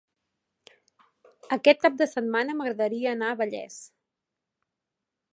Aquest cap de setmana m'agradaria anar a Vallés.